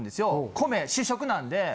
米主食なんで。